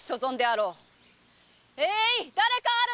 ええい誰かある！